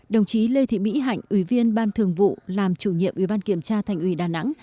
đồng chí lê thị mỹ hạnh ủy viên ban thường vụ làm chủ nhiệm ủy ban kiểm tra thành ủy đà nẵng